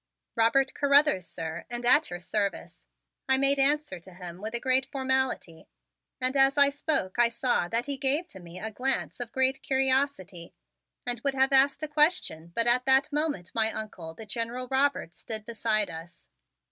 "Robert Carruthers, sir, and at your service," I made answer to him with a great formality. And as I spoke I saw that he gave to me a glance of great curiosity and would have asked a question but at that moment my Uncle, the General Robert, stood beside us.